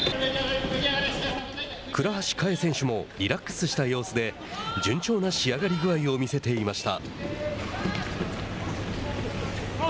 倉橋香衣選手もリラックスした様子で順調な仕上がり具合を見せていました。